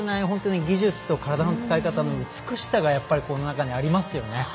本当に技術と体の使い方の美しさがやっぱりこの中にありますよね。